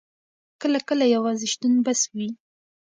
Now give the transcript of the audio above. کله کله یوازې شتون بس وي.